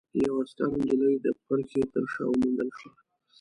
يوه عسکره نجلۍ د پرښې تر شا وموندل شوه.